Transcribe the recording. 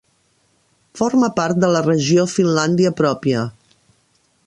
Forma part de la regió Finlàndia Pròpia.